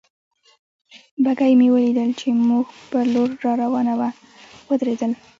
بګۍ مې ولیدل چې زموږ پر لور را روانه وه، ودرېدل.